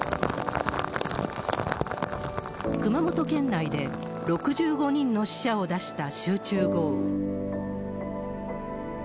熊本県内で６５人の死者を出した集中豪雨。